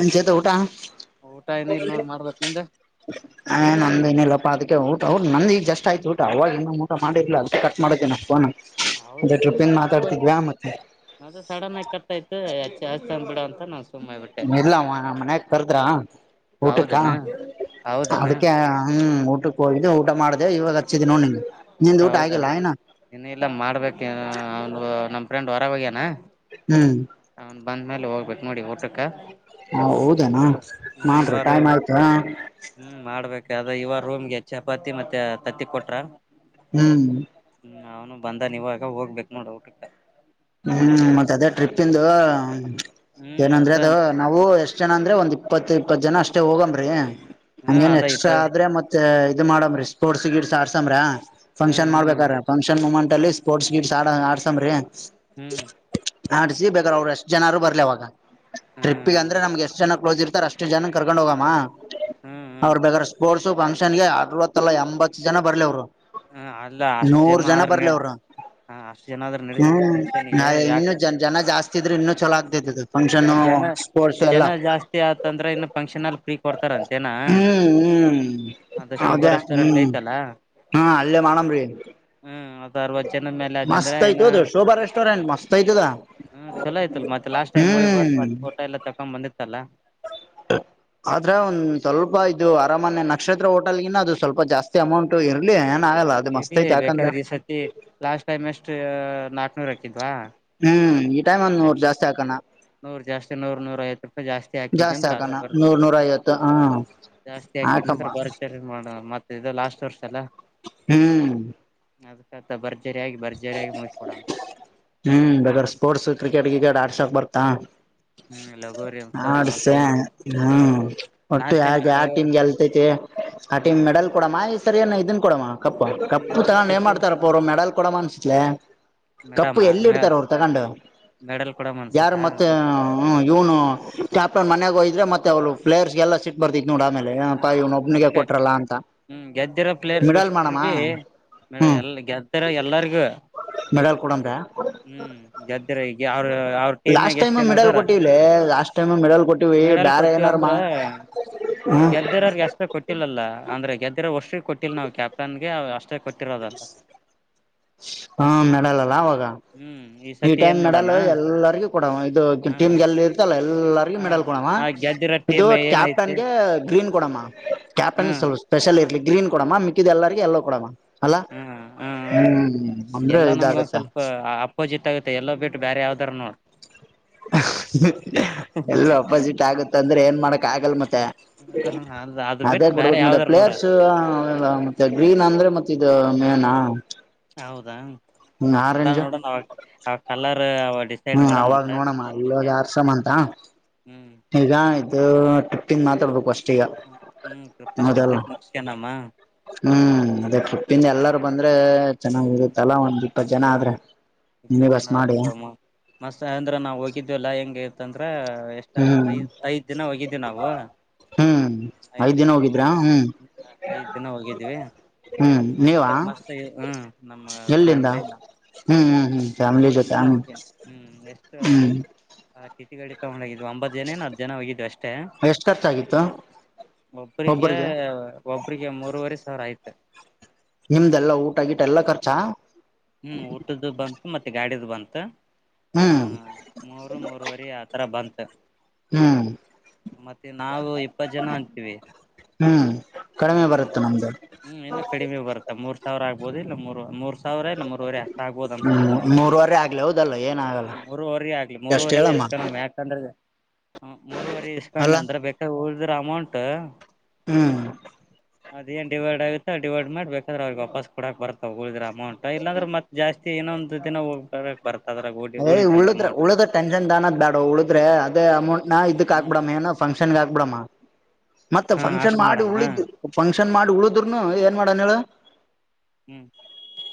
N Chethu ಊಟ. ಊಟ ಏನ ಇಲ್ ನೋಡ್ ಮಾಡ್ಬೇಕ್ ನಿಂದ ಹ ನಂದು ಇನ್ನ ಇಲ್ಲಪ್ಪ ಅದಕ್ಕೆ ಊಟ ಅವ್ ನಂದು ಈಗ ಜಸ್ಟ್ ಆಯಿತು ಊಟ ಅವಾಗ ಇನ್ನೂ ಊಟ ಮಾಡಿರಿಲ್ಲ ಅದಕ್ಕೆ ಕಟ್ ಮಾಡಿದ್ದು ಪೋನು. ಅದೇ ಟ್ರಿಪನ್ ಮಾತಾಡ್ತಿದ್ವಿ ಮತ್ತೆ. ಅದೆ ಸಡನ್ ಆಗಿ ಕಟ್ಟಾಯ್ತು ಅದೆ ಹಚ್ತನ್ಬಿಡು ಅಂದ್ ಬಿಡ ಅಂತ ನನ್ ಇಲ್ಲ ಮ ಮನ್ಯಕ್ ಕರುದ್ರಾ. ಹೌದೆನ. ಅದಕ್ಕೆ ಹ್ಮ ಊಟಕ್ಕೆ ಹೋಗಿದ್ದು ಊಟ ಮಾಡ್ದ ಇವಾಗ ಹಚ್ಚಿದ್ ನೋಡ್ ನಿಂಗೆ. ನಿಂದು ಊಟ ಆಗಿಲ್ಲ ಇನ್ನ. ಇನ್ನ ಇಲ್ಲ ಮಾಡ್ಬೇಕು ಒ ಅವ್ನು ನಮ್ ಫ್ರೆಂಡ್ ಹೊರಗ್ ಹೋಗ್ಯನ. ಹ್ಮ್ ಅವ್ನ್ ಬಂದ ಮೇಲೆ ಹೋಗ್ಬೇಕು ನೋಡಿ ಊಟಕ್ಕ ಹಾ ಹೌದನಾ ಹ್ಮ್ ನರಿ ಇವ ಟೈಮ್ ರೂಮ್ ಆಯ್ತಾ ಹ್ಮ್ ಮಾಡ್ಬೇಕ ಅದ್ರೆ ಇವಾಗ ರೂಮ್ಗೆ ಚಪಾತಿ ಮತ್ತೆ ತತ್ತಿ ಕೊಟ್ರ ಹ್ಮ್ ಹ್ಮ್ ಅವ್ನು ಬಂದ ನೀವಾಗ ಹೋಗ್ಬೇಕಕ್ ನೋಡ ಊಟಟ ಹ್ಮ್ ಮತ್ತ ಅದೇ ಟ್ರಿಪ್ ಇಂದು ಹ್ಮ್ ಏನಂದ್ರೆ ಅದ ಅದು ನಾ ಹ ಎಷ್ಟ್ ಜನ ಅಂದ್ರೆ ಒಂದ್ ಇಪ್ಪತ್ತು ಇಪ್ಪತ್ತು ಜನ ಅಷ್ಟೇ ಹೋಗಮೀ ಹ್ಮ್ ಹೇನ್ ಅದ ಇಪ್ಪ ಎಕ್ಸ್ಟ್ರಾ ಆದ್ರೆ ಮತ್ತೆ ಇ ಮಾಡಮ್ರಿ ಸ್ಪೋರ್ಟ್ಸ್ ಗಿಡ್ಸ್ ಅಡಸುಮರ ಹ್ಮ್ ಫಂಕ್ಷನ್ ಹ್ಮ್ ಮಾಡ್ಬೇಕಾರ ಫಂಕ್ಷನ್ ಮುಮೆಂಟ್ ಅಲ್ಲಿ ಸ್ಪೋರ್ಟ್ಸ್ ಗಿಟ್ಸ್ ಅಡಸ್ಮರಿ ಹ್ಮ್ ಆಡ್ಸಿ ಬೇಕ್ರ ಅವ್ರು ಎಷ್ಟು ಜನರು ಬರ್ಲಿ ಅವಾಗ ಟ್ರಿಪ್ಗೆ ಅಂದ್ರೆ ಹ್ಮ್ ನಮ್ಗೆ ಎಷ್ಟು ಜನ ಕ್ಲೋಸ್ ಇರ್ತಾರೆ ಅಷ್ಟು ಎಷ್ಟು ಜನ ಕರ್ಕೊಂಡ್ ಹೋಗಮ್ಮ ಹ್ಮ್ ಹ್ಮ್ ಅವ್ರರು ಬಗಾರ ಸ್ಪೋರ್ಟ್ಸ ಫಂಕ್ಷನ್ ಗೆ ಅರವತ್ತಲ್ಲಾ ಎಂಬತ್ತ್ತು ಜನ ಬರಲಿ ಅವ್ರು ಹ ಅಲ್ಲ ಅಷ್ಟು ನೂರ್ ಜನ ಆದ್ರೆ ಬರ್ಲಿ ಅವ್ರು ಹ ಅಷ್ಟು ಜನ ಆದ್ರ ನಡತೇತಿ ಪಫಂಕ್ಷನ್ ನಾ ಇನ್ನುೂ ಜನ ಜಾಸ್ತಿ ಇದ್ರೆ ಇನ್ನುೂ ಚಲೋ ಆಗ್ತೂತು ಅದು ಫಂಕ್ಷನ್ನು ಮತ್ ಜನ ಸ್ಪೋರ್ಟ್ಸ್ ಎಲ್ಲ ಜನ ಜಾಸ್ತಿ ಆತಂದ್ರೆ ಇನ್ನು ಫಂಕ್ಷನ್ ಅಲ್ಲಿ ಫ್ರೀ ಕೊಡ್ತಾರಂತೇನಾ ಹ್ಮ್ ಹ್ಮ್ ಅದ ಶೋಭಾ ಹ್ಮ ರೆಸ್ಟೋರೆಂಟ್ ಐತಲ್ಲ ಹಾ ಅಲ್ಲ ಮಾಡುನರಿ ಹ್ಮ್ ಅದ ಅವತ್ತು ಜನ ಮೇಲೆ ಆದಂದ್ರೆ ಏ ಐತದು ಶೋಭಾ ರೆಸ್ಟೋರೆಂಟ್ ಮಸ್ತ್ ಐತದ ಚಲೋ ಆಯ್ತಲ್ ಮತ್ತೆ ಲಾಸ್ಟ್ ಮೂವಿ ಬ್ ಹ್ಮ್ ಮತ್ತತ್ ಫೋಟೋ ಎಲ್ಲ ತಕೊಂಡು ಬಂದಿತ್ತಲ್ಲಾ ಆದ್ರೆ ಒಂದ್ ಸ್ವಲ್ಪ ಇದು ಅರಾಮನೆ ನಕ್ಷತ್ರ ಹೋಟೆಲನ ಅದು ಸ್ವಲ್ಪ ಜಾಸ್ತಿ ಅಮೌಂಟ್ ಇರ್ಲಿ ಏನ್ ಆಗಲ್ಲ ಅ ಮತ್ ಇರ್ಲಿ ಐತಿ ಯಕಂದ್ರೆ ಬೇಕಾದ್ರೆ ಈ ಸತಿ [unintelligible] ಲಾಸ್ಟ್ ಟೈಮ್ ಅಷ್ಟು ನಾಲ್ಕನೂರು ಹಾಕಿದ್ವಾ ಹ್ಮ್ ಈ ಟೈಮ್ಂದ್ ನೂರು ನಾಕ್ನೂರ್ ಜಾಸ್ತಿ ಹಾಕಣ ನೂರ್ ಜಾಸ್ತಿ ನೂರೂ ಐವತುರೂಪೈ ಜಾಸ್ತಿ ಜ ಹಾಕಿದ್ ಜಾಸ್ತಿ ನಂತ್ರ ಅದ ಹಾಕಣ ಬರ್ ನೂರ್ ನೂರ ಐವತ್ತು ಹ ಜಾಸ್ತಿ ಹಾಕಿದ್ ಹಾಕಮ್ಮ ನಂತ ಬರ್ತ ಮಾಡ ಮತ್ತೆ ಇದು ಲಾಸ್ಟ್ ವರ್ಷ ಎಲ್ಲ ಹ್ಮ್ ಅದ್ಕ ಬರ್ಜರಿ ಆಗಿ ಬರ್ಜರಿ ಆಗಿ ಮುಗಿಸ ಕೊಡಣ ಹ್ಮ್ ಬೇಗ ಸ್ಪೋರ್ಟ್ಸ್ ಕ್ರಿಕೆಟ್ ಗಿಕಟ್ ಆಡ್ಸಾಕ್ ಬರ್ತಾ ಹ್ಮ್ ಲಗೋರಿ ಅಂತವು ಆಡ್ಸ ಅದು ಹ್ಮ್ ಒಟ್ಟು ಲಾಸ್ಟ್ ಟೈಮ್ ಯಾಕೆ ಮತ್ತೆ ಯವ ಟೀಮ್ ಗೆಲಥೈತಿ ಆಟಿ ಹ್ಮ್ ಮೆಡಲ್ ಕೊಡಮ್ಮ ಈ ಸರಿ ಏ ಇದನ್ ಕೊಡಮ್ಮ ಕಪ್ಪ ಈ ಕಪ್ಪ ತ ಈ ಏನ್ ಸತಿ ಮಾಡ್ತಾರಪ್ಪ ಅವರು ಮೆಡಲ್ ಕೊಡ ಅನ್ಸ ಕಪ್ಪು ಮೇಡಮ ಎಲ್ಲಿ ಇಡ್ತಾರೆ ಅವರು ತಗೊಂಡು ಮೆಡಲ್ ಕೊಡಮ್ ಅನ್ಸತ್ತ ಯಾರು ಮತ್ತೆ ಹ್ಮ್ ಇವ್ನು ಕ್ಯಾಪ್ಟನ್ ಮನೆಗೋಯದ್ರೆ ಮತ್ತೆ ಅವ್ರು ಪ್ಲೇಯರ್ಸ್ಗೆಲ್ಲ ಸಿ ಬರ್ತತ್ ನೋಡ ಆಮೇಲೆ ಪ ಹ್ಮ್ ಇವ್ನ ಒಬ್ನಿಗೆ ಅದಕ್ಕೆ ಕೊಟ್ರಲ್ಲ ಅಂತ ಹ್ಮ್ ಮಿಡಲ್ ಮಾಡಮ್ಮ ಮೇಡಲ ಹ್ಮ್ ಎಲ್ಲ ಗೆದತಾರ ಎಲ್ಲರಿಗೂ ಮೆಡಲ್ ಕೊಡಂತ ಹ್ಮ್ ಗದ್ದೆರಗೆ ಅವ ಅವ ಟೀಮ್ನಾಗ ಲಾಸ್ಟ್ ಟೈಮ್ ಎಷ್ಟ್ ಮೆಡಲ್ ಏನದಾರ ಕೊಟ್ಟಿವಿಲೆ ಲಾಸ್ಟ್ ಟೈಮ್ ಮೆಡಲ್ ಕೊಟ್ಟಿವಿ ಮೆಡಲ್ ಬೇರೆ ಕೊಟ್ಟೀವ ಏನಾರ ಅಂದ್ರ ಮಾ ಹ್ಮ ಗೆದ್ದರೋರ್ಗೆ ಅಷ್ಟೇ ಕೊಟ್ಟಿಲ್ಲ ಅಲ್ಲ ಅಂದ್ರೆ ಗೆದ್ದರ ವರ್ಷ್ರಿಗೆ ಕೊಟ್ಟಿಲ್ಲ ನಾವು ಕ್ಯಾಪ್ಟನ್ಗೆ ಅಷ್ಟೇ ಕೊಟ್ಟ ಿ [unintelligible] ರೋದಲ್ಲ ಹಾ ಮೇಡಲಲ್ಲ ಅವಾಗ ಹ್ಮ್ ಈ ಸತಿ ಟೈಮ್ ಏನ್ ಮೆಡಲ್ ಮಾಡಣ ಎಲ್ಲರಿಗೂ ಕೊಡ ಇದು ಹ ಟೀಮ ಗೆಲ್ಲಿ ಇರ್ತಲ್ಲ ಎಲ್ಲರಿಗೂ ಹಾ ಮೆಡಲ್ ಕೊಡಮ್ಮ ಆ ಗೆದ್ದಿರೋ ಇದು ಟೀಮ್ ಏನಐತಿ ಕ್ಯಾಪ್ಟನ್ಗೆ ಗ್ರೀನ್ ಕೊಡಮ್ಮ ಹ್ಮ್ ಕ್ಯಾಪ್ಟನಿವಲ್ಪ ಸ್ಪೆಷಲ್ ಇರ್ಲಿ ಗ್ರೀನ್ ಕೊಡಮ ಮಿಿದಿದ್ದ ಎಲ್ಲಾರ್ಗ ಎಲ್ಲೋ ಕೊಡ ಅಲ ಹ್ಮ್ ಅಂದ್ರೆ ಇದಾಗತ್ತಾ ಪೋಜಿ ಆುತ್ತೆ ಎಲ್ಲ ಬಿಟ್ಟು ಬೇರೆ ಯಾವ್ದರು ನೋಡ್ ಎಲ್ ಅಪೋಸಿಟ್ ಆಗುತ್ತ ಅಂದ್ರೆ ಏನ್ ಮಾಡಕ್ ಆಗಲ್ ಮತ್ತೆ ಹ ಅ ಅದು ಅದೇ ಬಿಟ್ಟು ಬೇರೆ ಕೊಡ್ಬೇಕು ಮತ್ತೆ ಯಾವ್ದಾರ ನೋಡ ಪ್ಲೇರ್ಸ್ಲ್ಲ ಮತ್ತೆ ಗ್ರೀನ್ ಅಂದ್ರೆ ಮತ್ತೆ ಇದು ಮೇನ್ ಹೌದಾ ನೋಡೋಣ ನೋಡಣ ಅವಾಗ ಅವ ಕಲರ್ ಅವಡಿಸ ಡಿಸೈಡ್ ಹ್ಮ್ ಅವಾಗ ಮಾಡಣಂತ ನೋಡಮ್ಮ ಇಲ್ಲೋಗ ಆರ್ಸಮ್ಮ ಅಂತ ಹ್ಮ್ ಈಗ ಇದು ಟಿಪ್ಪಿಂಗ ಮಾತಾಡ್ಬೇಕು ಅಷ್ಟೇ ಹಾ ಹ್ಞ ಫಸ್ಟ್ ಟ್ರಿಪ್ ಮುಕ್ಸಿಕಣಾಮಾ ಹ್ಮ್ ಅದೇ ತಪ್ಪಿಂದ ಎಲ್ಲಾರು ಬಂದ್ರೆ ಚೆನ್ನಾಗಿರುತ್ತಲ ಒಂದ್ ಇಪ್ಪತ್ತು ಜನ ಆದ್ರೆ ಮಿನಿ ಇಪ್ಪತ್ತು ಬಸ್ ಜನ ಆದ್ರ ಮಾಡಿ ಬಮ್ಮ ಮಸ್ತ್ ಅಂದ್ರ ನಾವು ಹೋಗಿದ್ವಿಲ್ಲಾ ಹೆಂಗ ಇಂತಂದ್ರ ಹ್ಮ್ ಐದ್ ಐದ್ ದಿನ ಹೋಗಿದ್ದೀವಿ ನಾವು ಹ್ಮ್ ಐದ್ ದಿನ ಹೋಗಿ ಐದ್ ದಿನ ಹೋಗಿದ್ದೀವಿ ಹ್ಮ್ ನೀವಾ ಮಸ್ತ್ ಮಸ್ತ್ ಹ್ಮ್ ನಮ್ಮ ಎಲ್ಲಿಂದ ಫ್ಯಾಮ್ಲಿನ ಹ್ಮ್ ಹ್ಮ್ ಹ್ಮ್ ಫ್ಯಾಮಿಲಿ ಜೊತೆ ಹ ಹ್ಮ್ ಟಿ ಟಿ ಗಡಿ ತಗೊಂಡ ಹೋಗಿದ್ ಒಂಬತ್ ಜನೇ ನ ಹ ಜನ ಹೋಗಿದ್ ಅಷ್ಟೇ ಎಷ್ಟು ಖರ್ಚಾಗಿತ್ತು ಒಬ್ರಿಗೆ ಒಬ್ಬ್ರಿಗೆ ಒಬ್ರಿಗೆ ಮೂರರುವರೆ ಸಾವಿರ ಆಯ್ತು ನಿಮ್ದೆಲ್ಲಾ ಊಟ ಗಿಟ ಎಲ್ಲಾ ಖರ್ಚಾ ಹ್ಮ್ ಊಟದು ಬಂತು ಮತ್ತೆ ಗಾಡಿದು ಬಂತು ಹ್ಮ ಹ್ಮ್ ಮೂರು ಮೂರವರಿ ಆತ ತರ ಬಂತ ಹ್ಮ್ ಮತ್ತೆ ನಾವು ಇಪ್ಪತ್ ಜನ ಅಂತೀವಿ ಹ್ಮ್ ಕಡಿಮೆ ಹ್ಮ್ ಬರುತ್ತೆ ನಮ್ದು ಹ್ಮ್ ಇನ್ನುೂ ಕಡಿಮೆ ಬರುತ್ತಾ ಮೂರ್ ಸಾವಿರ ಆಗ್ಬಹುದುುದ ಇಲ್ಲ ಮೂ ಮೂರ್ ಸಾವಿರ ಲ್ಲ ಮೂವರೆ ಅಷ್ಟ ಆಗ್ಬೋದು ಅನ್ಸುತ್ತ ಹ್ಮ್ ನನಗ ಮೂರವರೆ ಆಗ್ಲಿ ಹೌದಲ್ಲ ಏನ ಆಗಲ್ಲ ಮೂರವರಿ ಆಗ್ಲಿ ಎಷ್ಟ್ ಮೂರವರ ಹೇಳಮ್ಮ ಇಸ್ಕ ಮ ಯಂದ್ರ ಮೂವರೆ ಇಸ್ಕೊಂಡ ಅಲ್ಲ ಅಂದ್ರ ಬೇಕ ಉಳ್ದ್ರ ಅಮೌಂಟ್ ಹ್ಮ್ ಅದ ಏನ್ ಡಿೈಡ್ ಆಗುತ್ತತ ಡಿವೈಡ್ ಮಾಡ್ಬೇಕಾದ್ರೆ ಅವಿಗೆ ವಾಪಸ್ಡಕ್ ಬತಾವ ಉಳಿದ್ರ ಅಮೌಟ್ ಇಲ್ಲಾಂದ್ರೆ ಮತ್ ಜಾಸ್ತಿ ಇನೊಂದು ದಿನ ಹೋಗ್ಬೇಕಕ್ ಬರ್ತದ್ರ ಗ ಏ ಉಳಿದ್ರ ಉಳುದ್ರ ಟೆನ್ಷನ್ ದಾನದ್ ಬೇಡ ಉಳಿದ್ರ ಅದೇ ಅಮೌಂಟ್ ನಾ ಇದಕ್ಹಕ್ ಬಿಡ ಮ ಏನ ಫಂಕ್ಷನ್ ಆಕ್ಬಿಡಮ್ಮ ಮತ್ತೆ ಹಾ ಫಂಕ್ಷನ್ ಅಷ್ಟ್ ಮಾಡಿ ಮಾಡಮ್ಮ ಉಳಿದು ಫಂಕ್ಷನ್ ಮಾಡಿ ಉಳಿದರುನು ಏನ್ ಮಾಡಣ ಹೇಳ ಹ್ಮ್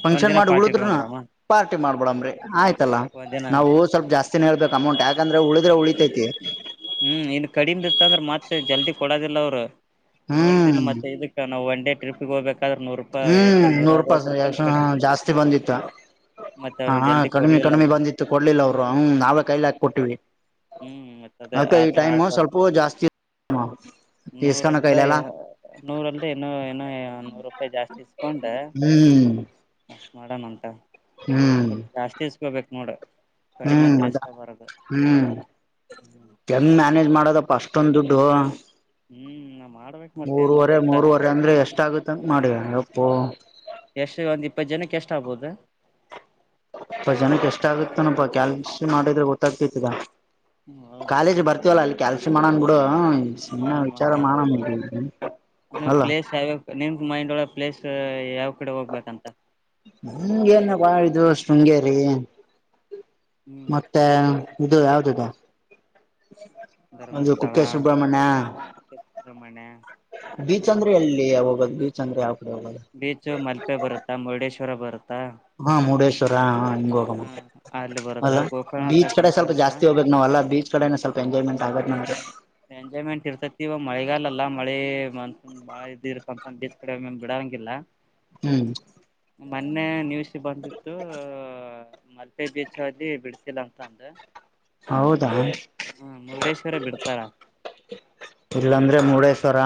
ಫಂಕ್ಷನ್ ಒಂದಿನ ಮಾಡಿ ಪಾರ್ಟಿ ಉಳಿದ್ನು ಇಟ್ಕೊಂಬಿಡಮ್ಮ ಪಾರ್ಟಿ ಹ್ಮ್ ಮಾಡ್ಬಿಡಂಬ್ರಿ ಆಯ್ತಲ್ಲಾ ಒಂದಿನ ನಾವು ಸ್ವಲ್ ಜಾಸ್ತಿನೇ ಹೇಬೇಕ ಅಮೌಂಟ್ ಯಕಂದ್ರ ಉದ್ರೆ ಉಳಿತೈತಿ ಹ್ಮ್ ಇನ್ ಕಡಿಮೆ ಇತ್ತ ಅಂದ್ರೆ ಮತ್ತೆ ಜಲ್ದಿ ಕೊಡೋದಿಲ್ಲ ಅವ್ರು ನೋಡಿದಿಲ್ಲ ಹ್ಮ್ ಮತ್ತೆ ಇದಕ್ ನಾವು ಒನ್ ಟ್ರಿಗೆಗೆ ಹ್ಬೇಕಾದ್ರ ನೂರು ರೂಪಾಯಿಷ್ಟು ಹ್ಮ್ ನೂರು ರೂಪಾಯಿಕ್ಷ ಜಾಸ್ತಿ ಬಂದಿತ್ತು ಮತ್ತೆ ಅವ್ರು ಹಾ ಜಲ್ದಿ ಕಡಿಮೆ ಕಡಿಮೆ ಕೊಡ್ಲಿಲ್ಲಲ್ಲ ಬಂದಿತ್ತು ಕೊಡ್ಲಿಲ್ಲ ಅವರು ಹ ನಾವೇ ಕೈಲಿ ಹಾಕ ಕೊಟ್ಟಿವವಿ ಹ್ಮ್ ಮತ್ತ ಅದೇ ಆತರ ಆಗ್ಬಾರ್ದ ಸ್ವಲ್ಪ ಜಾಸ್ತಿ ಇಸ್ಕನ ನೂರಲ್ಲದ ಕೈಲೆಲ್ಲ ನೂರಲ್ ಇನ್ನೂ ಏನ ನೂರು ರೂಪಾಯಿ ಜಾಸ್ತಿ ಇಸ್ಕೊಂಡ ಹ್ಮ್ ಮಾಡಡಮ್ ಅಂತ ಹ್ಮ್ ಬಟ್ ಜಾಸ್ತಿ ಇಸ್ಕೊಬೇಕು ನೋಡ್ರ ಹ್ಮ್ ಅದ ಹ್ಮ್ ಹ್ಮ್ ಕೆಮ್ ಮ್ಯಾನೇಜ್ ಮಾಡೋದಪ್ಪ ಅಷ್ಟೊಂದು ದುಡ್ಡು ಹ್ಮ್ ನಾ ಮಾಡ್ಬೇಕು ಮೂರವರೆ ಮೂರುವರೆ ಅಂದ್ರೆ ಎಷ್ಟ ಆಗುತ್ತ ಅಂತ ಮಾಡಿ ಯಪ್ಪು ಎಷ್ಟು ಒಂದ ಇಪ್ಪತ್ತು ಜನಕ್ಕೆ ಎಷ್ಟ ಆಗ್ಬೋುದು ಅ ಜನಕ್ಕೆ ಎಷ್ಟ ಆಗತ್ತನಪಾ ಕ್ಯಾಲ್ಸ ಮಾಡಿದ್ರೆ ಗೊತ್ತಾಗ್ತಿತದ ಹಾ ಕಾಲೇಜ್ ಬರ್ತವಲ್ಲ ಅಲ್ಲಿ ಕೆಲ್ಸ ಮಾಡನ್ ಬಿಡು ಸಮ್ಮ ಅಲ್ಲಿ ಮಾ ವಿಚಾರ ಖರ್ಚು ಮಾಡನ್ ಮಾಡಿ ಅಲ್ಲ ನಿಮ್ದ ಮೈಂಡ್ ಒಳ ಪ್ಲೇಸ್ ಯಾವ್ ಕಡೆ ಹೋಗ್ಬೇಕಂತ ಹಂಗೆನ ಬಾಳ ಶೃಂಗೇರಿ ಹ್ಮ್ ಮತ್ತೆ ಇದು ಯಾವ್ದದ ಒಂದು ಧರ್ಮಸ್ಥಳ ಕುಕೇ ಸುಬ್ರಮಣ್ಯ ಮ [inaudible] ಅಂದ್ರೆ ಎಲ್ಲಿ ಹೋಗೋದು ಬೀಚ್ ಅಂದ್ರೆ ಕಡೆ ಹೋಗದು ಬೀಚು ಮಲ್ಪೆ ಬರುತ್ತಾ ಮುರುಡೇಶ್ವರ ಬರುತ್ತಾ ಹಾ ಮುರುಡೇಶ್ವರ ಹ ಹಿಂಗ ಹೋಗ ಹ್ಮ ಅಲ್ಲಿ ಬರುತ್ತಾ ಅಲ್ಲ ಗೋಕರ್ಣ ಬೀಚ್ ಕಡೆ ತಕೊಂಡ್ ಸ್ವಲ್ಪ ಬರುತ್ತಾ ಜಾಸ್ತಿ ಹೋಗ್ಬೇಕು ನಾವ್ ಬೀಚ್ ಕ ಸ್ವಲ್ ಎಂಜಾಯ್ಮೆಂಟ್ಗೆ ನೋರೆ ಎಂಜಾಯ್ಮೆಂಟ್ ಇರ್ತೈತಿ ಇವ ಮಳೆಗಾಲಲ್ಲಾ ಮಳೆ ಮ ಬಾಳ ಇದಸ್ ಕಡೆ ಬಿಡಂಗಿಲ್ಲ ಹ್ಮ್ ಮೊನ್ನೆ ನಿವಸ ಬಂದಿತ್ತು ಬೀಚ್ ಅಲ್ಲಿ ಬಿಳ್ತಿಲ್ಲ ಅಂತ ಅಂದ ಹೌದಾ ಹಾ ಮುರುಡೇಶ್ವರ ಬಿಡ್ತಾರ ಇಲ್ಲಾಂದ್ರೆ ಮುಡೇಶ್ವರ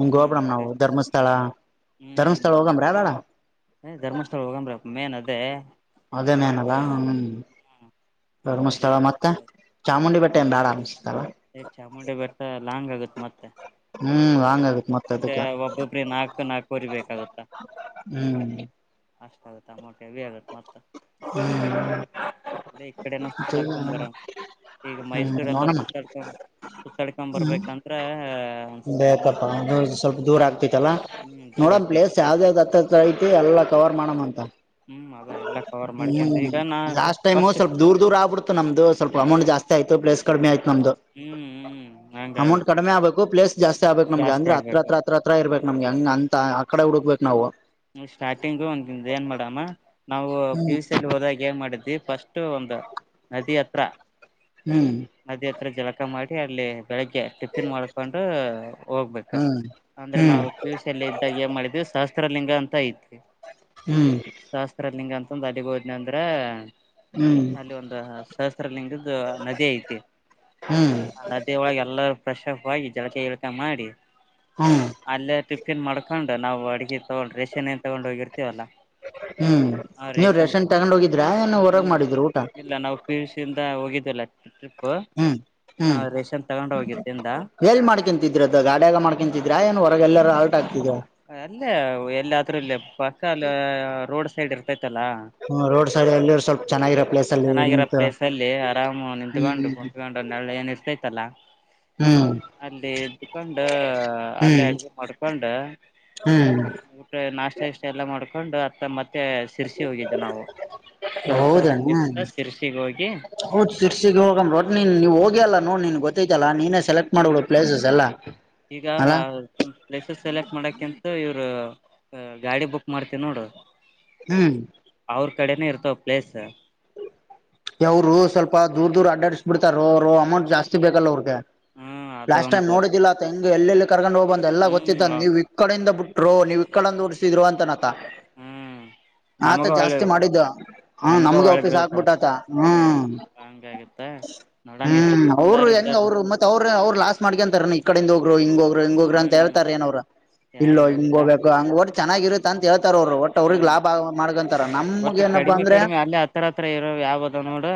ನಮಗೆ ಹ್ಮ ಹೋಗಬಡಮ್ ನಾವು ಮುರುಡೇಶ್ ಧರ್ಮಸ್ಥಳ ಧರ್ಮಸ್ಥಳ ಹೋಗಮ್ರ ಅಳ ಏ ಧರ್ಮಸ್ಥಳ ಹೋಗಂದ್ರ ಅಪ್ಪ ಮೇನ್ ಅದೇ ಅದೇ ಮೇನಲ್ಲ ಹ್ಮ ಹ್ಮ ಧರ್ಮಸ್ಥಳ ಮತ್ತೆ ದೇವಸ್ಥಾನ ಚಾಮುಂಡಿ ಬೆಟ್ಟದಿಂದ ಬ್ಯಾಡ ಅನ್ಸುತ್ತೆ ಸ ಚಾಮುಂಡಿ ಬಬೆಟ್ಟ ಲಾಂಗ್ ಆಗುತ್ತತ್ ಮತ್ತೆ ಹ್ಮ್ ಹ ಲಾಂಗ್ ಆಗತ್ ಮತ್ತ ಮತ್ತೆ ಅದಕ್ಕೆ ಒಬ್ಬೊಬ್ಬ್ರ ನಾಲ್ಕು ನಾಲ್ಕ ರಿ ಬೇಕಾಗುತ್ತಾ ಹ್ಮ್ [inaudible] ಹ್ಮ್ ಅ ಇ ಕಡೆ ನತ ತಲ್ಕಂಬರ ಈಗ ಹ್ಮ್ ಮೈಸೂರೆಲ್ಲ ನೋಡೋಣ ಸುತ್ತಾಡ್ಕೊ ಸುತ್ತಾಡ್ಕೊ ಬರ್ಬೇಕಂದ್ರ ಅನ್ಸುತ್ತ ಬೇಕಪ್ಪ ಸ್ವಲ್ಪ ದೂರ ಆಗ್ತಿತ್ತಲ್ಲಾ ಹ್ಮ್ ದೂರ ನೋಡ ಪ್ಲೇಸ್ ಆಗ್ತೈತತ್ತ ಯಾವ್ದ ಯಾವ್ದ್ ಐತಿ ಎಲ್ಲಾ ಕವರ್ ಮಾಡಮ್ಮ ಅಂತ ಹ್ಮ್ ಅದ ಎಲ್ಲಾ ಕವರ್ ಮಾಡ್ಕಂತ ಹ್ಮ್ ಈಗ ನಾ ಲಾಸ್ಟ್ ಟೈಮ್ ಫಸ್ಟ್ ಸ್ವಲ್ಪ ದೂರ್ ದೂರ ಆಗ್ಬಿ ನಮ್ದ ಸ್ವಲ್ಪಮೌಟ್ ಜಸ್ತಿ ಆಯ್ ಪಲೇ ಕಮ ಆಯತ ನ್ದು ಹ್ಮ್ ಹ್ಮ್ ಹಂಗ ಅಮೌಂಟ್ ಆಗ್ಬಿಡ್ತೆ ಕಡಿಮೆ ಆಗ್ಬೇಕು ಪ್ಲೇಸ್ ಆಗ್ಬೇಕ ನಮ್ಗೆ ಜಾಸ್ತಿ ಅಂದ್ರೆ ಆಗ್ಬೇಕು ಹತ್ರ ಹತ್ರ ಇರ್ಬೇಕ ನಮ್ಗೆ ಹಂಗ ಅಂತ ಆ ಕಡೆ ಹುಡುಕ್ಬೇಕು ನಾವು ಸ್ಟಾರ್ಟಿಂಗು ಒಂದ ಏನ್ ಮಾಡಡಮ್ಮ ನಾವು ಪಿ ಹ್ಮ್ ಯುಸ ಅಲ್ಲಿ ಹೋದಾಗ ಏನ್ ಮಾಡಿದ್ವಿ ಫಸ್ಟ್. ಒಂದು ನದಿ ಹತ್ರ. ಹ್ಮ್. ನದಿ ಹತ್ರ ಜಲಕ ಮಾಡಿ ಅಲ್ಲಿ ಬೆಳಿಗ್ಗೆ ಟಿಫಿನ್ ಮಾಡಕೊಂಡು ಹೋಗ್ಬೇಕು ಹ್ಮ್ ಅಂದ್ರೆ ಹ್ಮ್ ನಾವು ಪಿ ಯು ಸಿ ಯಲ್ಲಿ ಇದ್ದಾಗ ಏನ್ ಮಾಡಿದವಿ ಶಸ್ತ್ರ. ಲಿಂಗ ಅಂತ ಐತಿ. ಹು. ಶಾಸ್ತ್ರಲಿಂಗ ಅಂತಂದು ಅಲ್ಲಿ ಹೋದ್ನೆ ಅಂದ್ರ. ಅಲ್ಲಿ ಒಂದು ಸಹಸ್ರ ಲಿಂಗದ್ದು ನದಿ ಐತಿ ಹ್ಮ್ ಆ ನದಿಯ ಒಳಗೆ ಎಲ್ಲರೂ ಫ್ರೆಶ್ಫ್ ಆಗಿ ಜಳಕ ಗಿಳಕ ಮಾಡಿ. ಹು. ಅಲ್ಲೇ ಟಿಫಿನ್ ಮಾಡ್ಕೊಂಡು ನಾವು ಅಡ್ಗೆ ತಗೊಂಡ್ ರೇಷೆನ್ನ್ ಏನು ತೊಗೊಂಡ್ ಹೋಗಿರ್ತೀವಲ್ಲ. ಹು ಆ ನೀವ್ ರೇಷನ್ ರೆಷನ್ ತಗೊಂಡ್ ಹೋಗಿದ್ರ ಏನು ಹೊರಗ್ ಹ್ಮ್ ಮಾಡಿದ್ರು ಊಟ. ಇಲ್ಲ ನಾವು ಪಿ ಯು ಸಿ ಯಿಂದ ಹೋಗಿದ್ಲ ಟ್ರಿಪ್ ಹ್ಮ್ ಹ್ಮ್ ರೇಷನ್ ತಗೊಂಡು ಹೋಗಿದ್ದಿಂದ. ಎಲ್ ಮಾಡ್ಕೊಂತಿದ್ರರದು ಗಾಡಿಯಾಗ ಮಾಡ್ಕಂತಿದ್ರಾ ಏನ ಹೊರಗೆಲ್ಲಾರ ಆಲ್ಟ್ ಆಗ್ತಿದ್ರಾ. ಅಲ್ಲೇ ಎಲ್ಲದ್ರೂಲ್ಲ ಬಸ್ಸ ಅಲ್ಲಿ ರೋಡ್ ಸೈಡ್ ಇರ್ತೈತಲ್ಲ. ಹ ರೋಡ್ ಸೈಡ್ ಎಲ್ಲಿರು ಸ್ವಲ್ಪ ಚೆನ್ನಾಗಿರೋ ಪ್ಲೇಸ್ ಅಲ್ಲಿ ಚೆನ್ನಾಗಿರೋ ನಿಂತು ಪ್ಲೇಸ ಅಲ್ಲಿ ಆರಾಮು ನಿತ್ಕೊಂಡು. ಹ್ಮ್ ತಗೊಂಡು ನೆಳ ಏನ್ ಇರ್ತೈತಲ್ಲ. ಹು. ಅಲ್ಲಿ ಇದಕೊಂಡು ಅಲ್ಲೇ ಹ್ಮ್ ಅಡಗೆ ಮಾಡ. ಕೊಂಡ ಹ್ಮ್ ಊಟ ನಾಷ್ಟ ಇಷ್ಟ ಎಲ್ಲ ಮಾಡ್ಕೊಂಡು ಅತ್ತ ಮತ್ತ. ಮತ್ತೆ ಸಿರ್ಸಿ ಹೋಗಿದ್ದು ನಾವು ಸಹಸ್ರ ಹೌದಾ ಲೀಗದಿಂದ ಸಿರ್ಸಿಗೆ ಹೋಗಿ. ಹೌದ್ ಸಿರ್ಸಿಗೆ ಹೋಗ್ ರೋಟ್ ನೀನ್ ನೀವ ಹೋಗಿ ಅಲ್ಲ ನೋಡ್ ನ ನಿನ್ ಗೊತ್ತೈತಲ್ಲ ನೀನ್. ಸೆಲೆಕ್ಟ್ ಹ್ಮ್ ಮಾಡಬಿಡು ಪ್ಲೇಸಸ್ ಎಲ್ಲಾ ಅಲ್ಲಾ. ಮಂಕಿ. ಪ್ಲೇಸಸ್ ಸೆಲೆಕ್ಟ್ ಮಾಡಕಿಂತ ಇವ್ರು ಗಾಡಿ ಬುಕ್ ಮಾಡತ್ತಿ ನೋಡ. ಹು. ಅವ್ರ ಕಡೆನ ಇರ್ತಾವ ಪ್ಲೇಸ್. ಯವರು ಸ್ವಲ್ಪ ದೂರ್ ದೂರ ಅಡ್ಡಡಸ್ ಬಿಡ್ತಾರ ಅವರು ಅಮೌಂಟ್ ಜಾಸ್ತಿ ಬೇಕಲ್ಲ ಅವ್ರಿಗೆ. ಹ್ಮ್ ಅದು ಲಾಸ್ಟ್ ಟೈಮ್ ಒಂದು ನೋಡಿದಿಲ್ಲ ಹೆಂಗ ಎಲ್ಲೆಲ್ಲಿ ಕರ್ಕೊಂಡ್ ಹೋಗ್ ಬಂದ ಎಲ್ಲ ಗೊತ್ತ ಹ್ಮ್ ನೀವ. ಅಕಡಿಂದ ಬಿಟ್ರು ನೀವ್ ಇ ಕಡಿಂದ ಉಡ್ಸಿದ್ರು ಅಂತನತ. ಹ್ಮ್ ಆತ ನಮಗ ಒಳ್ಳೆ ಜಾಸ್ತಿ ಮಾಡಿದ್ದ ಹ ನಮಗ ನಮ್ಗೆ. ಒಳ್ಳೆ ಬೀಳ್ತಾನ ಬಿಸಾಕ್ಕಬಿಟ್ಟದ ಹು ಹ್ಮ್ ಹಂಗಾಗತ್ತ ಹು ನೋಡಣ ಈ ಸತಿ ಅವರು ಸೋಲಾರ್ ಹೆಂಗ ಇದ್ದಾರ ಅವರು ಮತ್ತೆ. ಅವರು ಅವರ್ ಲಾಸ್ ಮಾಡಕೊಂತಾರನು. ಕಡಿಂದ ಹೋಗರು ಹಿಂಗ ಹೋಗರು ಹಂಗೋಗರು ಅ ಹ್ಮ್ ಹೇಳ್ತಾರ ಏನ್ರು ಇಲ್ಲ ಯಾರು ಹಿಂಗ ಹೇಳೋದಿಲ್ಲ ಹೋಗಬೇಕು ಹಂಗ. ಚೆನ್ನಾಗಿರುತ್ತೆ ಅಂತ ಹೇಳ್ತಾರ ಅವರು ಒಟ್ಟ ಅವ್ರಗ್ ಹ್ಮ್ ಲಾಭಆಗುವಂಗ ಮಾಡ್ಕೊಂತಾರ ನಮಗ ಒಟ್ಟು ಏನಪ್ಪಾ ಕಡಿಮೆ ಅಂದ್ರೆ. ಕಡಿಮೆ ಅಲ್ಲೇ ಹತ್ರ ಹತ್ರ ಇರೋ ಯಾವದ ನೋಡು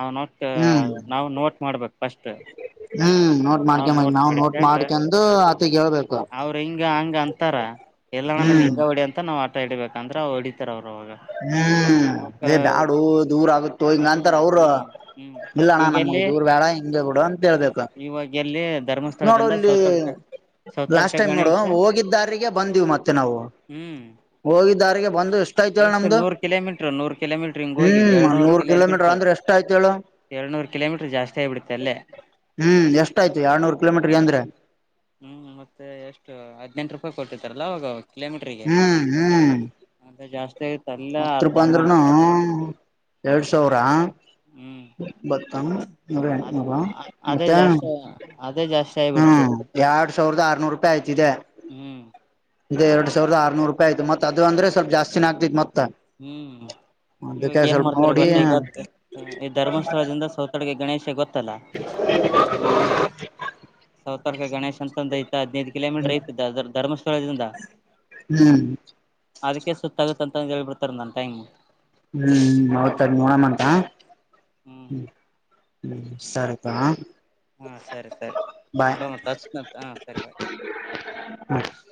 ಅವ ನೋ. ಹು. ಅವನ್ ನೋಟ್ ಮಾಡ್ಬೇಕು ಫಸ್ಟ್. ಹು ನೋಟ್ ಮಾಡ್ಕೊಂಕೇಬಂದ ನಾವು ನೋಟ್ ಮಾಡ್ಕಂದು ಅತ್ತಗ ಹೇಳ್ಬೇಕು. ಅವ್ರ ಹಿಂಗ ಹಂಗ ಅಂತಾರ ಇಲ್ಲಣ್ಣನ್ ಹ್ಮ್ ಹಿಂಗ ಹೊಡಿ ಅಂತ ನಾವ್ ಆ. ಹಠ ಹಿಡಿಬೇಕಂದ್ರ ಅವ ಹೊಡಿತಾರ ಅವರು ಅವಾಗ. ಹು ಅವಕ ಏ ಬ್ಯಾಡ ದೂರ ಆಗುತ್ತೋ ಹಿಂಗ ಹ್ಮ್ ಅಂತರ ಅವರು ಹ್ಮ್ ಹ್ಮ್ ಇಲ್ಲಣ್ಣ ನಮಗ ಈಗೆಲ್ಲಿ ದೂರ್ ಬ್ಯಾಡ ಹಿಂಗ್. ಹಿಂಗೆ ಬಿಡ ಅಂತ ಹೇಳ್ಬೇಕು. ಇವಾಗ ಎಲ್ಲಿ. ಧರ್ಮಸ್ಥಳದಿಂದ ನೋಡಲ್ಲಿ. ಸೌತಡ್ಕ ಸೌತಡ್ಕ ಲಾಸ್ಟ್ ಟೈಮ್ ನೋಡು ಗಣೇಶ ಹೋಗಿದ್ದಾರಿಗೆ ಬಂದೀವು ಮತ್ತೆ ನಾವು. ಹ್ಮ್ ಹೋಗಿದ್ದಾರಿಗೆ ಬಂದುಷ್. ಎಷ್ಟು ನೂರ್ ಕಿಲೋಮೀಟ್ರ ನೂರ್ ಕಿಲೋಮೀಟ್ರ ಹಿಂಗ ಹಿ್ ಹ್ಮ್ ಎರಡ್ನೂ ನೂರ್ ಕಿಲೋಮೀಟ್ರ್ ಕಿಲೋಮೀಟರ್ ಅಂದ್ರೆ [unintelligible] ಎರಡುನೂ ಕಿಲೋಮೀಟರ್ ಜಾಸ್ತಿ ಆಿಬಿುತ್ತೆ ಅೇ ಹ್ಮ್ ಎಷ್ಟ ಆಯ್ತು ಎಡ್ನೂ ಕಿೋಮೀಟರ್ ಅಂದೆ ಹ್ಮ್ ಮತ್ತೆ ಎಷ್ಟು ಹದ್ಿನೆಂಟು ರೂಪಾಯಿ ಕೊಟ್ಟಿತ್ತಾರಲ್ಲ ಅವಾಗ ಕಿಲೋಮೀಟ್ರಿಗೆ ಹ್ಮ್ ಅಂತ ಜಾಸ್ತ ಹತ್ತು ರೂಪಾಯಿ ಅಂದ್ರೂನು ಎರಡು ಸಾವಿರ ಹ್ಮ್ ಬತ್ತ ನ ಅದ್ ಅದೇ ಮತ್ತೆ ಜಾಸ್ತಿ ಅದೇ ಜಾಸ್ತಿ ಹ್ಮ ಆಗಿಬಿಡ್ತು ಎರಡ್ ಸಾವಿರದ ಆರ್ನೂರು ಆಯತಿದೆ ಹ್ಮ್ ಇ ಎರಡ್ ಸಾವಿದ ಆರ್ೂರು ರೂಪಾಯ ಆಯ್ ಮತ್ ಅಂದ್ರ ಸ್ವಲ್ಪ ಜಸ್ಿನ ಆಗ್ತಿತ್ ಹ್ಮ್ ಅದಕ್ಕೆ ಇವಾಗ ಏನ್ ಸ್ವಲ್ಪ ಮಾಡ್ತಾರ ನೋಡಿ ಗೊತ್ತ ಈಗಾದ ಈ ಧರ್ಮಸ್ಥಳದಿಂದ ಸೌತಡಗೆ ಗಣೇಶ ಗೊತ್ತಲ್ಲಾ [unintelligible] ಸತರ್ಕ ಗಣೇಶ ಹಂತತ್ರದ ಹಿತ ಹದಿನೈದುಕ್ಕೆ ಕಿಲೋಮೀಟರ್ ಏ ಧರ್ಮಸ್ಥಳ ಇದ್ರಿಂದ ಹ್ಮ್ ಅದಕ್ಕೆ ಸುತ್ತಾಗುತ್ತ ಅಂತ ಹೇಳ್ಬಿಡ್ತಾರೆ ನಾನನ್ ಟೈಮ್ ಹ್ಮ್ ಹೌತದ ನೋಡ ಮಂತ ಹ್ಮ್ ಹ್ಮ ಹ್ಮ ಸರಿದಾ ಹಾ ಸರಿ ಸರಿ ನೋಡೋ ಮತ್ತ ಹಚ್ ಹಾ ಸರಿ ಬಾಯ್ ಹ್ಮ